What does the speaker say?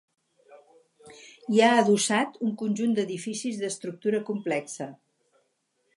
Hi ha adossat un conjunt d'edificis d'estructura complexa.